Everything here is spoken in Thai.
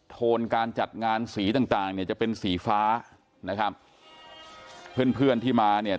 โทนการจัดงานสีต่างต่างเนี่ยจะเป็นสีฟ้านะครับเพื่อนเพื่อนที่มาเนี่ย